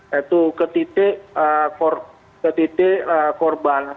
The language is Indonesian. yaitu ke titik korban